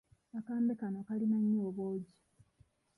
Akambe kano kalina nnyo obwogi.